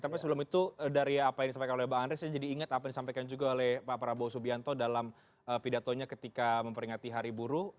tapi sebelum itu dari apa yang disampaikan oleh bang andre saya jadi ingat apa yang disampaikan juga oleh pak prabowo subianto dalam pidatonya ketika memperingati hari buruh